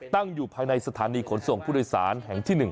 ตั้งอยู่ภายในสถานีขนส่งผู้โดยสารแห่งที่๑